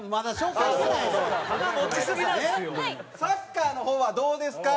サッカーの方はどうですか？